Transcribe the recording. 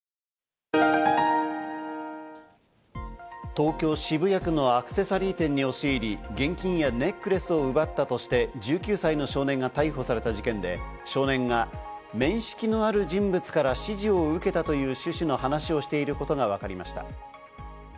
東京・渋谷区のアクセサリー店に押し入り、現金やネックレスを奪ったとして１９歳の少年が逮捕された事件で、少年が面識のある人物から指示を受けたという趣旨の話をしていることがわかりました。